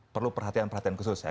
perlu perhatian perhatian khusus ya